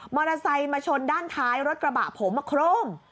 มอเตอร์ไซค์มาชนด้านท้ายรถกระบะผมมาโคร่ม